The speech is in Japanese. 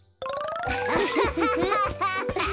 アハハハハ！